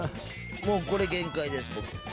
もうこれ限界です僕。